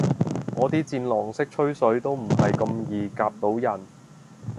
我啲戰狼式吹水都唔係咁易夾到人